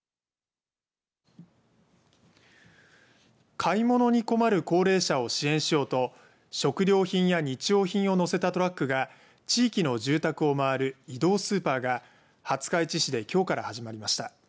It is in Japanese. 買い物に困る高齢者を支援しようと食料品や日用品を載せたトラックが地域の住宅を回る移動スーパーが、廿日市市できょうから始まりました。